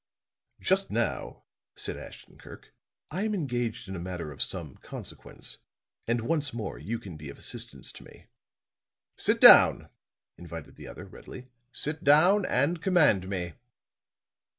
"Just now," said Ashton Kirk, "I am engaged in a matter of some consequence, and once more you can be of assistance to me." "Sit down," invited the other, readily. "Sit down, and command me."